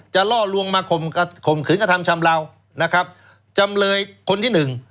จะล่อลวงมาข่มขืนกระทำชำเลาจำเลยคนที่หนึ่ง